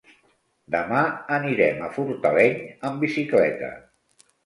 Demà anirem a Fortaleny amb bicicleta.